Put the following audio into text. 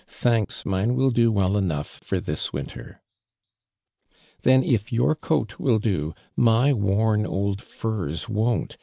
"Thanks ; mine will do well enough for this winter." "Then if your coat will do my worn old fui s won't.